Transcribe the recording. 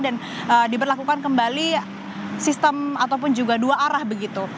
dan diberlakukan kembali sistem ataupun juga dua arah begitu